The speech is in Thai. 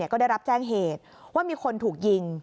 ก็ได้รับแจ้งเหตุว่ามีคนถูกยิง